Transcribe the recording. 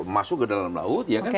masuk ke dalam laut